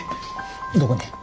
どこに？